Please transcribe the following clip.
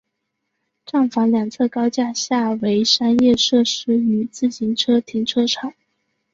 站房两侧高架下为商业设施与自行车停车场。